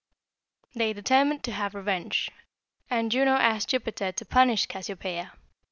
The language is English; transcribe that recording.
"They determined to have revenge, and Juno asked Jupiter to punish Cassiopeia.